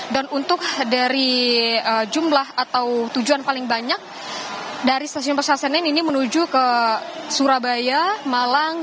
dan untuk dari jumlah atau tujuan paling banyak dari stasiun pasar senen ini menuju ke surabaya malang